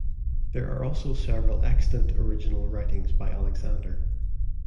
There are also several extant original writings by Alexander.